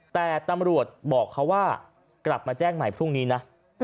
แต่ตำรวจบอกเขาว่ากลับมาแจ้งใหม่พรุ่งนี้นะ